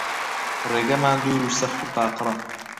ڕێگەمان دوور و سەخت و قاقڕە